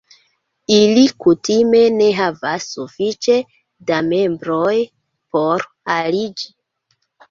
Ili kutime ne havas sufiĉe da membroj por aliĝi.